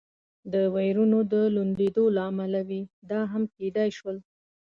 د وېرونو د لوندېدو له امله وي، دا هم کېدای شول.